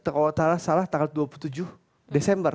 kalau salah tanggal dua puluh tujuh desember